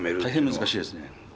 大変難しいですね。